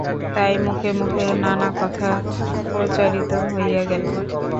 তাই মুখে মুখে নানা কথা প্রচারিত হইয়া গেল।